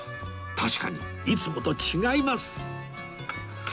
確かにいつもと違います！